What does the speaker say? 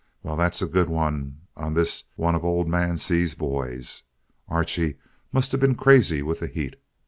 Well, that's a good one on this one of old man Seay's boys. Archie must have been crazy with the heat.